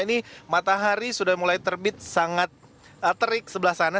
ini matahari sudah mulai terbit sangat terik sebelah sana